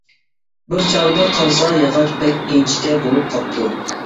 بىر چاغدا قارىسا، ياغاچ بەك ئىنچىكە بولۇپ قاپتۇ.